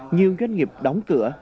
nhiều doanh nghiệp đóng cửa